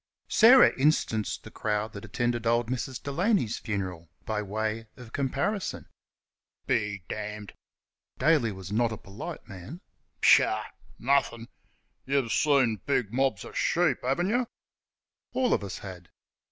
Sarah instanced the crowd that attended old Mrs. Delaney's funeral by way of comparison. "Be damned!" (Daly was not a polite man). "Pshaw! Nothing! ... You've seen big mobs of sheep, haven't y'?" (All of us had.)